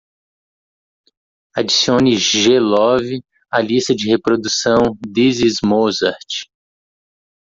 Adicione g love à lista de reprodução This Is Mozart.